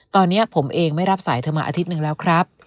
ตอนนี้ผมเองไม่รับสายเธอมาอาทิตย์หนึ่งแล้วครับ